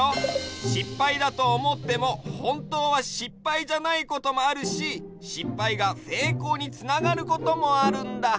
しっぱいだとおもってもほんとうはしっぱいじゃないこともあるししっぱいがせいこうにつながることもあるんだ。